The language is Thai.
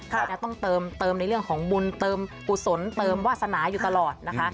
จะต้องเติมในเรื่องของบุญเติมกุศลเติมวาสนาอยู่ตลอดนะคะ